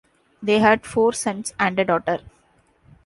They had four sons and a daughter.